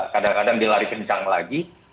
kadang kadang dia lari kencang lagi